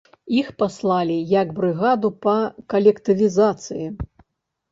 Іх паслалі як брыгаду па калектывізацыі.